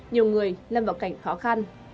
nhiều người lên vào cảnh khó khăn